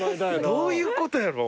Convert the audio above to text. どういうことやろ？